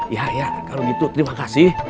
ya ya kalau gitu terima kasih